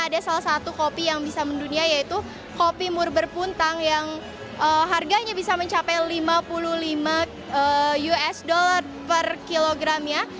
ada salah satu kopi yang bisa mendunia yaitu kopi murber puntang yang harganya bisa mencapai lima puluh lima usd per kilogramnya